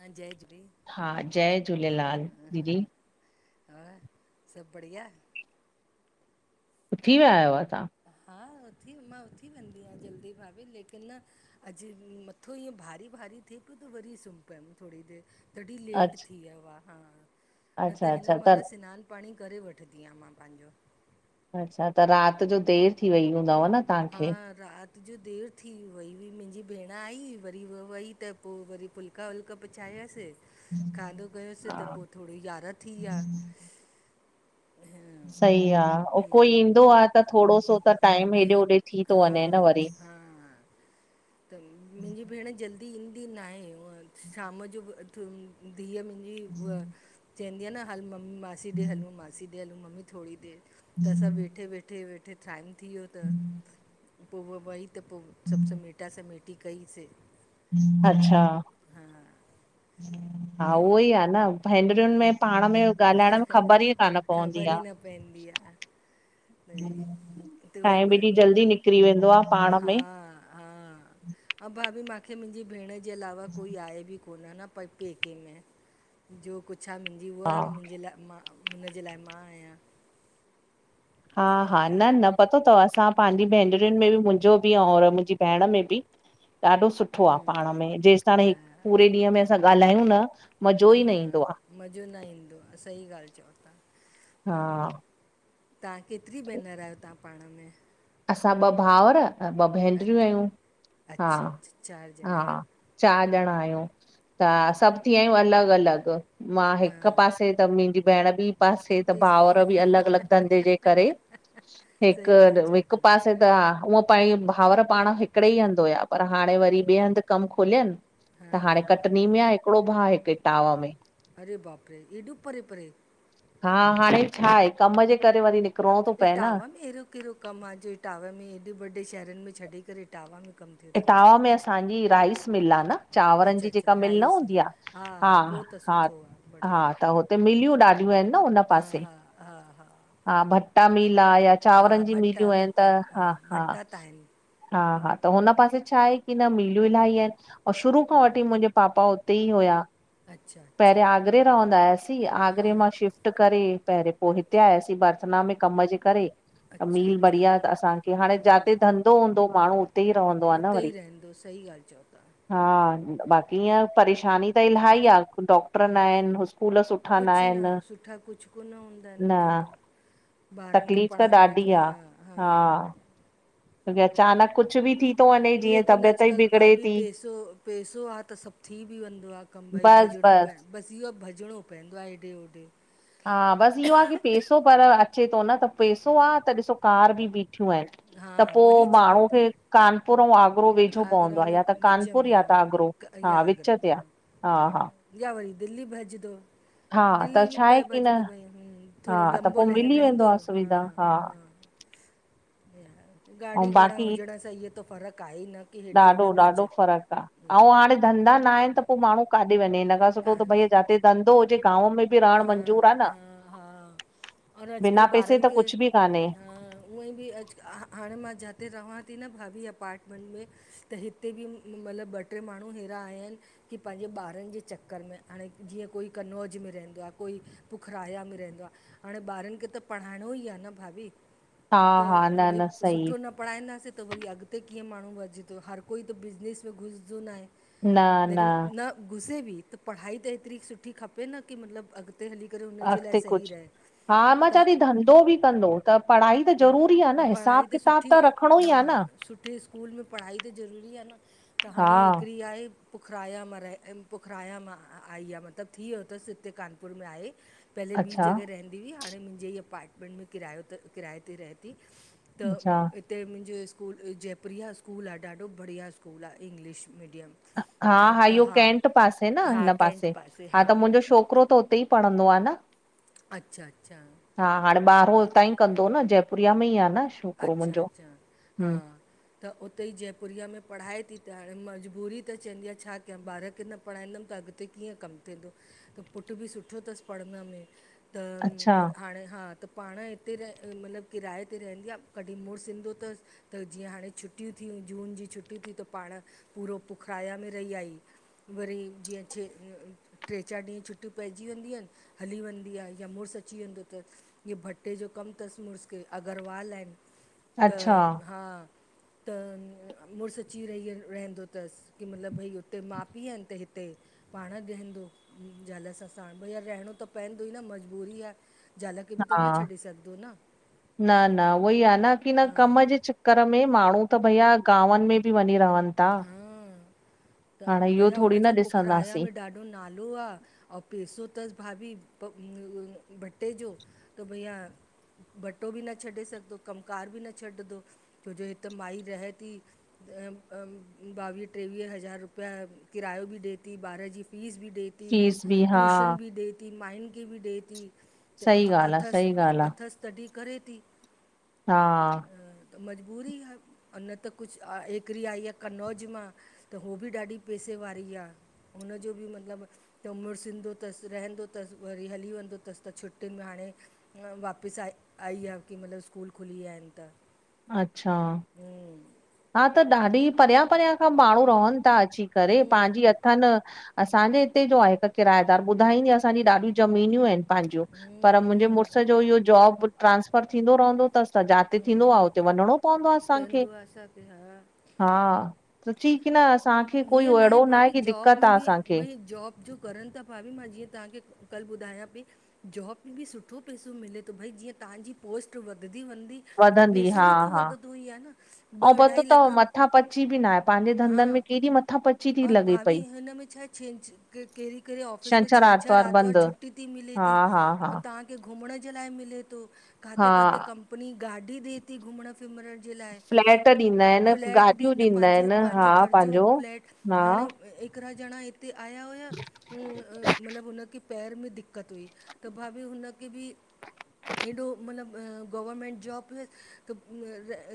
हा जय झूलेलाल। हा जय झूलेलाल दीदी। ह सभ बढ़िया। थी आया आयो असां। हा उथी मां उथी वेंदी आयां जल्दी भाभी लेकिन - - अॼुय मथो ईअं भारी भारी थे पियो त वरी सुम्ही पियम थोरी देर। तॾीं लेट अच्छा थी वियो आ हा न अच्छा त हिन अच्छा मल - - सनान पाणी करे वठदी आं मां पांजो। अच्छा त रात जो देर थी वई हूंदव न? हा तव्हांखे? रात - - त जो देर थी वई हुई मुंजी भेण आई वरी उअ वई त पो वरी पुल - - फुल्का पचाययासीं खाधो कयोसीं त पो थोरी यारह थी आ। सही आ ओ कोई हम्म। ईंदो आहे त थोरो सो त। टाइम हेॾे होॾे थी थो हा वञे न वरी। हा त मुंजी भेण जल्दी - - ईंदी ना आए हू शाम जो बि अच धीअ मुंजी हूअ - - चवंदी आ न हल ममी मासी ॾे हल मासी ॾे हलूं ममी थोरी देर त असां वेठे वेठे वे - - थे टाइम थी वियो त पो उ वई त पोइ सभ समेट - - त समेटी कईसे - - अच्छा। हा त उहो ई आ न भेंंणरियुन में पाण में - - ॻाल्हाइण में ख़बर ई कान पवंदी ख़बर आ। ई न पवंदी आहे त त वरी टाइम मां एॾी जल्दी निकिरी वेंदो आ पाण हा में। हा आ भाभी मूंखे मुंजी भेण जे अलावा कोई आहे बि कोन न। प पेके में जो कुझ आ मुंजी उ हा। आ मुंजे लाए। मां हुनजे लाए मां आयां। हा हा न न पतो तव असां पांजी भेनरियुन में बि मुंजो बि ऐं और - - मुंजी भेण में बि ॾाढो सुठो आ - - हम्म पाण में जेस ताणी हा पूरे ॾींहं में असां ॻाल्हायूं न - - न मज़ो न ईंदो आ, सही ॻाल्हि चयओ ता हा तां केतिरी भेनर आयो तां पाण में? असां ॿ भाउर ए ॿ भेनरियूं अच आयूं हा अच्छा अच्छा चारि ॼणा हा आहियो चारि ॼणा आयूं त हा सभु थी विया आयूं अलॻ अलॻ मां हा हिक पासे त मुंजी भेण ॿी पासे त बि भावउर बि अलॻ अलॻ धंधे जे करे सही हिकु अड ॻाल्हि चओ वि [inaudible] था असी त हा उअ पइ भाउर पाण हिकिड़े ई हंध हुया पर हाणे वरी ॿे हंध कमु खोलियन त हाणे कटनी में आ हिकिड़ो भा हिक इटावा में। अरे बाप रे, एॾो परे परे। हा हाणे छा आहे कम जे करे वरी निक इटावा में एड़ो केड़ो कमु आ जो इटावा में एॾे वॾे शहरनि में छॾे करे इटावा में कमु थे। इटावा में असांजी राइस मिल आ न। चांवरनि अच्छा जी अच्छा जेका मिल न राइस में हूंदी आ हा पोइ त हा सुठो आहे हा बढ़िया त हो। ए मिलियूं ॾाढियूं आइनि न हुन हा पासे हा हा हा हा भटा मिल आ या हा चांवरनि जी भटा मिलियूं आइनि त भिटा हा हा भटा त आहिनि हा हा त हुन पासे छा आहे की न मिलियूं इलाही आइनि ऐं शुरू खां वठी मुंजे पापा हुते ई हुया अच्छा अच्छा पहिरां आगरे रहंदा हुआसीं हा आगरे मां शिफ्ट ट करे पहिरियों पो हिते आयासीं बर्थना में कम जे करे त अच्छा मील अच्छा बढ़िया त असांखे हाणे जाते हम्म धंधो हूंदो माण्हू ई रहंदो आ न उते ई वरी रहंदो सही ॻाल्ह चओ ता। हा त बाक़ी ईअं परेशानी त इलाही आ डॉक्टर न हम्म आइनि स्कूल सुठा न कुझु आइनि सुठा कुझु कोन हूंदा आहिनि न उते त ॿारनि खे तकलीफ़ त पढ़ाइण ॾाढी जो आ हा हा तोके अचानक कुझु बि थी थो वञे जीअं लेकिन तबियत ई अॼुकल्ह बिगड़े भाभी थी पैसो पैसो आ त सभु थी बि वेंदो आ कमु भई बस भॼिणो बस पए बसि इहोआ भॼिणो पवंदो आ हेॾे होॾे हा बसि इहो आ की पैसो पर अचे थो न त पैसो आ त ॾिसो कार बि बीठियूं आहिनि। हा त पो वही चवां माण्हू थी खे कानपुर ऐं आगरो वेझो आगरा पवंदो आ में या त विच कानपुर में या हा त आगरो क हा या विच आगरा में ते आ। हा हा या वरी दिल्ली भॼदो। हा त दिल्ली बि छा आहे पए भॼ की न त भई हा थोरो त लंबो पो लह मिली वेंदो रहंदो आ सुविधा हा गाॾी अऊं घोड़ा बाक़ी हुजण सां इहो त फ़र्क़ु आहे ई न की हेॾे ॾाढो होॾे भॼ ॾाढो फ़र्कु आ ऐं हाणे धंधा न आहिनि त पो माण्हू काॾे वञे हिन करे खां सुठो त कान भई जाते धंधो हुजे गांव में बि रहण हा मंज़ूर आ न हा हा और बिना अॼकल्ह पैसे ॿारनि त खे कुछ बि कान्हे उएं बि अॼुकल्ह हाणे मां जाते रहां थी न भाभी अपार्टमेंट में त हिते बि मतलबु ॿ टे माण्हू हेड़ा आया आहिनि की पंहिंजे ॿारनि जे चक्कर में हाणे जीअं कोई कनौज में रहंदो आ, कोई पुखराया में रहंदो आ हाणे ॿारनि खे त पढ़ाइणो ई आ न भाभी हा त हा न भई न सही सुठो न पढ़ाईंदासीं त वरी अॻिते कीअं माण्हू वधे थो हर कोई त बिज़नेस में घुसंदो नाहे लेकिन न घुसे बि त पढ़ाई त हेतिरी सुठी खपे न की मतलब अॻ हुते हली करे हुनजे लाइ अॻिते सही कुछ रहे। हा मां चा त थी धंधो बि कंदो त पढ़ाई त ज़रूरी आ न पढ़ाई हिसाबु, किताबु सुठी त रखिणो हा ई आ न। सुठे स्कूल में पढ़ाई त ज़रूरी आ न त हा हाणे हिकिड़ी आहे पुखराया में राए म पुखराया मां आई आ मतिलबु थी वियो थसि हिते कानपुर में आहे,, पहिले ॿी अच्छा जगह रहन दींदी हाणे मुंजे ई अपार्टमेंट में किरायो किराए ते रहे थी अच्छा त ते मुंहिंजो स्कूल जयप्रिया स्कूल आ ॾाढो बढ़िया स्कूल आ इंग्लिश मीडियम हा, हा इहो केंट पासे न, हिन पासे हा त मुंहिंजो छोकिरो त उते ई पणंदो आ न अच्छा, अच्छा। हा हाण, ॿारहो हुतां ई कंदो न जयपुरिया में ई आ न छोकिरो अच्छा, मुंहिंजो अच्छा हा। हम्म त उते ई जयपुरीया में पढ़ाए थी त हाण मजबूरी त चवंदी आ छा कयां ॿार खे न पढ़ाईंदमि त अॻिते कीअं कमु थींदो? त पुटु बि सुठो थसि पढ़ण में त अच्छा हाणे हा त पाण हिते रह मतिलबु किराए ते रहंदी आ। कॾहिं मुर्स ईंदो तस त जीअं हाणे छुटियूं थियूं जून जी छुटियूं थी त पाण पूरो पुखराया में रही आई। वरी जीअं चे ट्रे, चारि ॾींहं छुट्टी पइजी वेंदी आहिनि, हली वेंदी आ या मुर्स अची वेंदो त। ही भटे जो कमु थसि मुड़ुस के अगरवाल आहिन त अच्छा हा त मुर्स अची रही रहंदो थसि, की मतलबु भई हुते माउ पीउ आहिनि त हिते पाण ॾहंदो जाल सां साण भई रहिणो त पवंदो ई न मजबूरी आ जाल खे बि त हा न छॾे सघदो न न न उहोई आ न की न हा कम जे च क्कर में माण्हू त भईया गांवनि में बि वञी रहनि था। हां त हाणे इहो भैया थोरी न हुनजो पुखराया ॾिसंदासीं में ॾा ढो नालो आ ऐं पैसो थसि भाभी भ भटे जो त भैया भटो बि न छॾे सघदो, कमकार बि न छॾदो छो जे हिकु माई रह थी ॿावीह, टेवीह हज़ार रुपिया किरायो बि ॾिए थी ॿार जी फीस बि ॾिए थी फीस बि हा ट्यूशन बि ॾे थी मायुनि खे बि ॾे थी त सही ॻाल्हि आ अथस, सही ॻाल्हि अथस तॾिह करे थी। हा त मजबूरी हा, न त कुझु अाऐ छोकिरी आई आ कनौज मां, त उहो बि ॾाढी पेसे वारी आ, हुनजो बि मतिलबु त मुर्स ईंदो थसि, रहंदो थसि, वरी हली वेंदो थसि त छुटियुनि में हाणे वापिस आई आईया की मतिलब स्कूल खुली विया आहिनि त अच्छा हू हा त ॾाढी परियां परियां खां माण्हू रहनि था अची करे, हम्म पांजी अ थनि असांजे हिते जो आहे हिकु किरायेदार ॿुधाईंदी असांजी ॾाढी ज़मीनियूं आहिनि पंहिंजूं, हम्म पर मुंहिंजे हम्म मुड़ुस जो इहो जॉब ट्रांसफर थींदो रहंदो तस त जाते हम्म थींदो आ, उते वञणो पवंदो आ असांखे [unintelligible] हा सची की न असांखे कोई हीअं आहे अहिड़ो न आ, भाभी की जॉब दिक़त में आ बि असांखे भई जॉब जो करनि था भाभी मां जीअं तव्हांखे कल्ह ॿुधायां पई जॉब में बि सुठो पैसो मिले थो भई जीअं तहांजी पोस्ट वधदी वेंदी वधंदी हा हा ॿ ऐं पतो अढाई त लख मथां पची बि न आहे पंहिंजे हा धंधनि में केॾी मथ मथा पची थी और लॻे भाभी पई हिनमें छा छंछ कहिड़ी कहेडे ऑफिस में छंछरु छंछर आर्तवार आरितवारु बंदि छुटी थी मिले हा थी हा हा ऐं तव्हांखे घुमण जे लाइ मिले थो, काथे हा खाथे कंपनी गाॾी ॾे थी घुमण फमण जे लाइ फ्लैट ॾींदा आहिनि, फ्लैट गाॾियूं ॾींदा पांजो आहिनि, पांजो हा ख़र्चो पंहिंजो फ्लैट हाणे हा, हिकरा जणा इते आया हुया मतलब हुनखे पैर में दिक़त हुई त भाभी हुनखे बि एॾो मतलबु गवर्मेंट जॉब हुयस त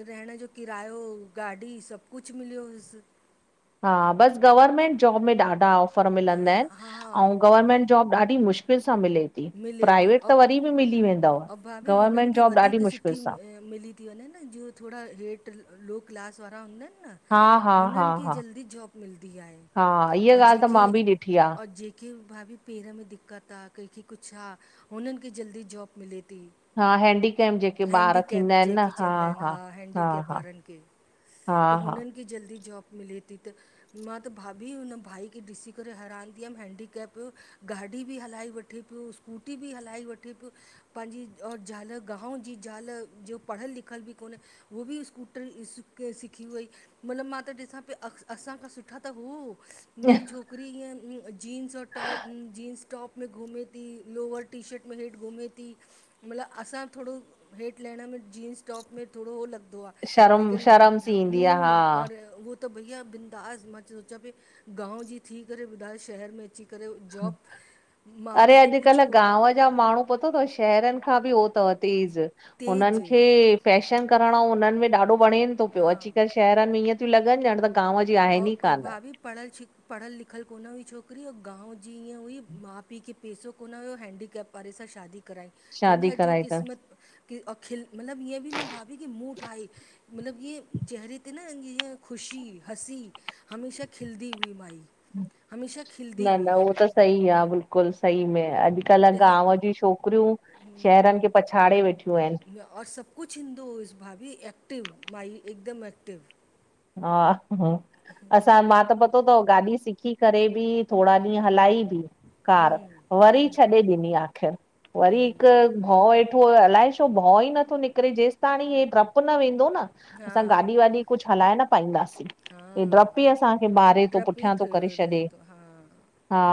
रहण जो किरायो गाॾी सभु कुझु मिलियो हुयुसि। हा बसि गवर्मेंट जॉब में ॾाढा ऑफर मिलंदा आहिनि हा हा ऐं गवर्मेंट जॉब ॾाढी मुश्किल सां मिले थी मिले थी प्राइवेट त और वरी बि मिली वेंदव। ऐं भाभी हुननि गवर्मेंट खे जॉब ॾाढी वधीक मुश्किल सुठी सां, मिली थी वञेनि न जीअं थोरा हेठि लो क्लास वारा हूंदा आहिनि न हा हा हा उननि खे हा जल्दी जॉब मिलदी आहे हा इहा अं ॻाल्हि त जेके मां बि ॾिठी आ, अं जेके कंहिंखे भाभी पेर में दिक़त आ कंहिंखे कुझु आ हुननि खे जल्दी जॉब मिले थी। हा हेंडीकेम जेके ॿार हैंडीकैप थींदा आहिनि न जेके हा चवंदा आहिनि हा हा हैंडीकैप हा वारनि खे हा त हा हुननि खे जल्दी जॉब मिले थी त मां त भाभी हुन भाई खे ॾिसी करे हैरान थी वयमि हैंडीकेप जो गाॾी बि हलाए वठे पियो स्कूटी बि हलाई वठे पयो। पंहिंजी और ज़ाल गाव जी ज़ाल जो पढ़ियल लिखियल बि कोन्हे उ बि स्कूटर सिखी वई मतलब मां त ॾिसां पई असांखां सुठा त हू भई छोकरी इय जींस ऐं टॉप जींस टॉप में घुमे थी लोवर टी शर्ट में हेठ घुमे थी मतलबु असां थोरो हेठि लहिण में जींस टॉप में थोड़ो उहो लॻदो आ शर्म लेकिन शर्म सी ईंदी आ हम और हा उह त त भईया बिंदास मां सोचां पई गांव जी थी करे ॿुधायो शहर में अची करे जॉब माउ पीउ खे कुझु कोन गाव जा माण्हू पतो अथव शहरनि खां बि हो तव तेज़ तेज हुननि खे फैशन करणो उन्हनि में ॾाढो वणेन थो पियो हा अची करे शहरनि में ईअं थियूं लॻनि ॼण त गांव जी अऊं आहिनि ई अऊं कान। भाभी पढ़ियलछिख पढ़ियलु लिखियलु कोन हुई छोकिरी ऐं गांव जी ईअं हुई माउ पीउ खे पेसो कोन्ह हुयो हैंडीकैप वारे सां शादी कराई शादी चवंदीआ जो कराई अथसि किस्मत, खिल मतिलब ईअं बि न भाभी की मूंंहुं ठाहे मतिलबु ईअं चेहिरे ते न ईअं खुशी हसी हमेशह खिलंदी हुई माई हमेशह खिलंदी न हुई न उहो त सही आ बिल्कुलु सही में अॼु अॼुकल्ह त गांव जी छोकिरियूं हुँ, शहरनि खे पछाड़े वेठियूं आहिनि। और सभु कुझु ईंदो हुयुसि भाभी एक्टिव माई हिकदमि एक्टिव हा असां मां त पतो थव गाॾी सिखी करे बि थोरा ॾींहं हलाई बि कार हुँ, हुँ, वरी छॾे ॾिनी आखिर वरी हिक हुँ, भउ वेठो अलाए छो भउ ई नथो निकरे जेेस ताणी ही डप न वेंदो न असां हाँ गाॾी वाॾी कुछ हलाए न पाईंदासीं। ही हाँ ड्रप ई असांखे मारे थो डपी पुठियां थो करे थोरो छॾे, हा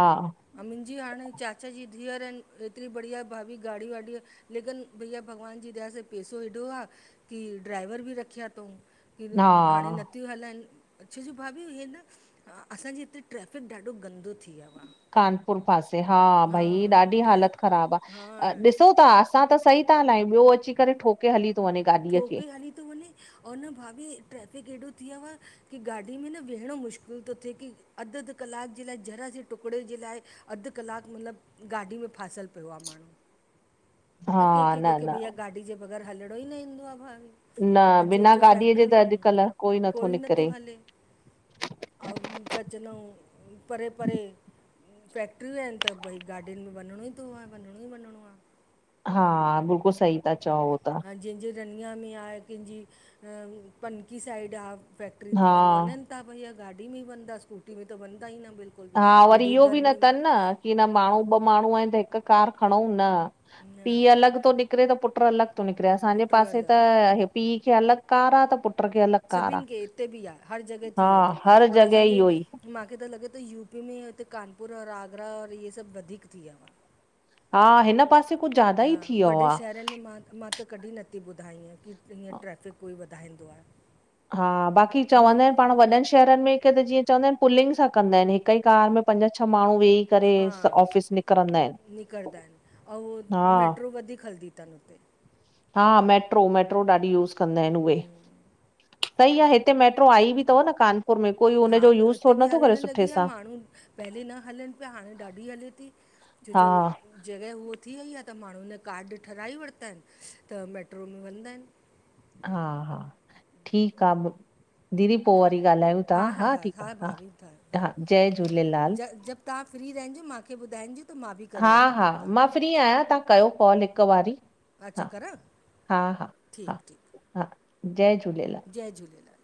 ह मुंजी हाणे चाचा जी धीअर आहिन एतरी बढ़िया भाभी गाड़ी-वाढी लेकिन भईया भॻवान जी दया सां पेसो एॾो आ, की ड्राइवर बि रखिया थऊं। की हा हाणे न थियूं हलाइन छो जो भाभी इअं न असांजे हिते ट्रैफिक ॾाढो गंदो थी वियो आ। कानपुर पासे हा, भई ॾाढी ट्रै हालत खराब आ, हा ॾिसो था असां त सही था हलायूं ॿियो अची करे ठोके हली थो वञे गाॾीअ खे। ठोके हली तो वञे और न भाभी ट्रेफिक एॾो थी वियो आहे की गाॾी में न वेहणो मुश्किल थो थिए की अध अध कलाक जे लाइ जरा जे टुकड़े जे लाइ अध कलाक मतलब गाॾी में फासल पयो आ माण्हू। हा अ कंहिंखे न कंहिंखे न भईया गाॾी जे बगैर हलणो ई न ईंदो आ भाभी न ऐं बिना जंहिंजूं गाॾीअ जे त फैक्ट्रीयूं अॼुकल्ह कोई निकिरे। नथो हले। अऊं छा चवंदा आहियूं परे-परे फैक्ट्रियूं आहिन त भई गाॾयुन में वञणो ई थोए वञणो ई वञणो आ हा बिल्कुल सही ता चओ उहो त जंहिंजे रनिया में आहे कंहिंजी, पनकी साइड आहे फैक्ट्री हा हो वञन त भईया गाॾी में वञदा स्कूटी में त वञदा ई न बिल्क हा वरी इहो बि न थन न की न माण्हू ॿ माण्हू आहिन त हिक कार खणऊं न, न पीउ अलॻ थो निकरे त पुट अलॻ निकरे, असांजे पुट पासे अलॻि त पी खे अलॻ कार आ त पु सभिन खे हिते बि आ, हर जॻह थी हा वियो हर थव और जॻह असांजे इहो ई माखे त लॻे थो यूपी में हिते कानपुर और आगरा और इहे सभ वधीक थी वियो आ। हा हिन पासे कुछ ज्यादा ई हा, थी वियो वॾे आ। शहरनि में मां त कॾहिं नथी ॿुधा ईएं की हीअं ट्रैफिक कोई वधाईंदो आ। हा बाकी चवंदा आहिन पाण वॾन शहर शहरन में हिक त जीअं चवंदा आहिन पुलिंग सां कंदा आहिन हिक ई कार में पंज छह माण्हू वेही करे हा ऑफिस निकिरंदा आहिनि निकिरदा हिन ऐं हा मेट्रो वधीक हलंदी थन हुते हा मेट्रो-मेट्रो ॾाढी यूस कंदा आहिन उहे। सही आ हिते मेट्रो आई बि थव न कानपुर में? कोई हा हुनजो यूस हिते थोरो बि नथो हलण करे सुठे लॻी आ, सां माण्हू पहले न हलन पया, हाणे ॾाढी हले थी छो हा जो जॻह उअ थी वई आ, त माण्हुन कार्ड ठहाराए वरता आहिन त मेट्रो में वेंंदा आहिन। हा हा, ठीक आ दीदी पो वरी ॻाल्हायूं था हा ठीक आ, हा-हा जय हा झूलेलाल। ज जब तव्हां फ्री रहजो माखे ॿुधाइजो त मां बि करे हा-हा वठंदमि मां तव्हांखे फ्री आहियां, तव्हां कयो कॉल हिक वारी अच्छा करां ठीकु ठीकु हा-हा-हा-हा-हा, जय झूलेलाल। जय झूलेलाल